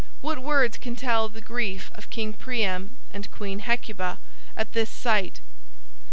What words can tell the grief of King Priam and Queen Hecuba at this sight!